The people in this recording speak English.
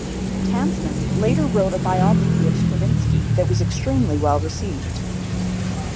Tansman later wrote a biography of Stravinsky that was extremely well received.